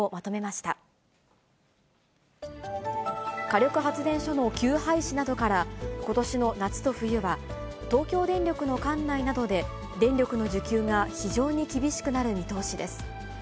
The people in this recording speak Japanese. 火力発電所の休廃止などから、ことしの夏と冬は、東京電力の管内などで、電力の需給が非常に厳しくなる見通しです。